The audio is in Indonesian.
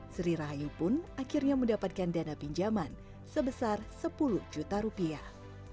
sri rahayu pun akhirnya mendapatkan dana pinjaman sebesar sepuluh juta rupiah